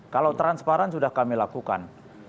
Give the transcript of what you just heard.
kalau transparan sudah kami lakukan